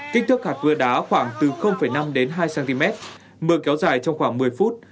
kích thước hạt cưa đá khoảng từ năm đến hai cm mưa kéo dài trong khoảng một mươi phút